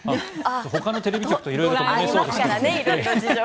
ほかのテレビ局と色々もめそうですけど。